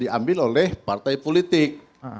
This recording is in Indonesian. diambil oleh partai politik